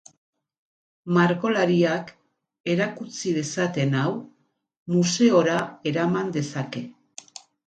Margolariak erakutsi dezaten hau museora eraman dezake.